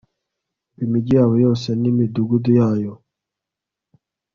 ngiyo imigi yabo yose n'imidugudu yayo